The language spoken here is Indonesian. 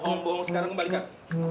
bohong sekarang kembalikan